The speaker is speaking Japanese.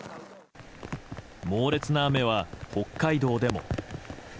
猛烈な雨は北海道でも。